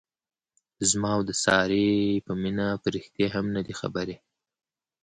زما او د سارې په مینه پریښتې هم نه دي خبرې.